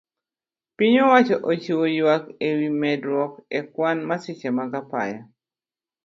Piny owacho ochiwo yuak ewi medruok ekwan masiche mag apaya